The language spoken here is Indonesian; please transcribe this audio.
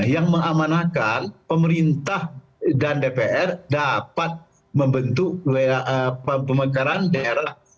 yang mengamanahkan pemerintah dan dpr dapat membentuk pemekaran daerah